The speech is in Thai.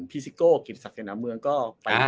พี่ซิโก้กินศักดิ์เสนอเมืองก็ไป